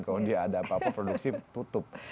kalau dia ada apa apa produksi tutup